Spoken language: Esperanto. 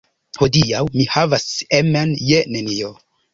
Hodiaŭ mi havas emen je nenio.